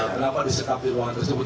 kenapa disekapi ruangan tersebut